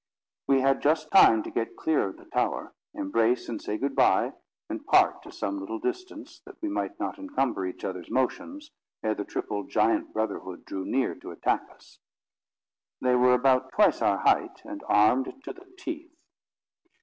We had just time to get clear of the tower, embrace and say good bye, and part to some little distance, that we might not encumber each other's motions, ere the triple giant brotherhood drew near to attack us. They were about twice our height, and armed to the teeth.